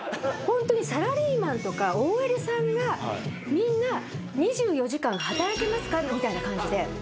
ホントにサラリーマンとかＯＬさんがみんな「２４時間働けますか」みたいな感じで。